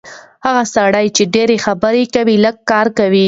هغه سړی چې ډېرې خبرې کوي، لږ کار کوي.